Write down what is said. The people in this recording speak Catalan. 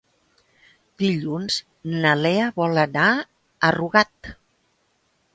Dilluns na Lea vol anar a Rugat.